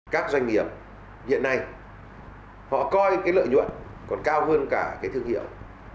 các doanh nghiệp hiện nay họ coi cái lợi nhuận còn cao hơn cả cái thương hiệu